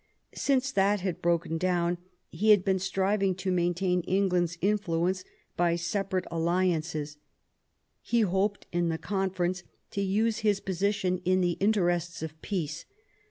Since that had broken down he had been striving to maintain Eng land's influence by separate alliances ; he hoped in the conference to use this position in the interests of peace.